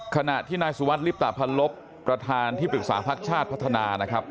ขณะที่นายสุวัสดิลิปตะพันลบประธานที่ปรึกษาพักชาติพัฒนานะครับ